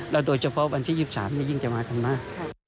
โดยเฉพาะวันที่๒๓นี่ยิ่งจะมากันมาก